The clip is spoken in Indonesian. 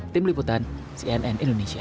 tim liputan cnn indonesia